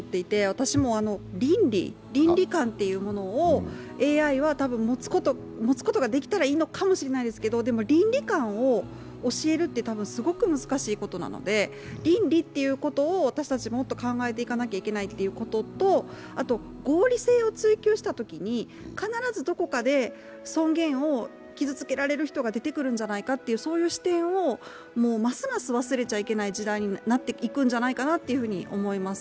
私も倫理観というものをＡＩが持つことができたらいいのかもしれないですけど倫理観を教えるってすごく難しいことなので倫理ということを私たち、もっと考えていかないといけないということとあと合理性を追求したときに、必ずどこかで尊厳を傷つけられる人が出てくるんじゃないかっていう視点をますます忘れちゃいけない時代になっていくんだろうと思います。